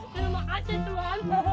terima kasih tuan